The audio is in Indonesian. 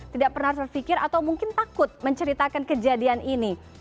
tidak pernah terfikir atau mungkin takut menceritakan kejadian ini